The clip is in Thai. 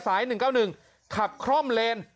สายหนึ่งเก้าหนึ่งขับคร่อมเลน